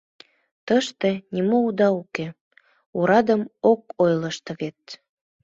Тыште нимо уда уке, орадым ок ойлышт вет».